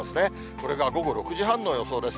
これが午後６時半の予想です。